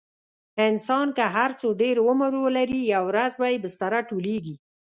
انسان که هر څو ډېر عمر ولري، یوه ورځ به یې بستره ټولېږي.